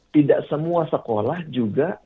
tidak semua sekolah juga